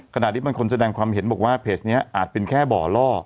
ที่บางคนแสดงความเห็นบอกว่าเพจนี้อาจเป็นแค่บ่อล่อ